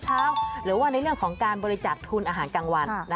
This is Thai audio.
หรือว่าในเรื่องของการบริจาคทุนอาหารกลางวัน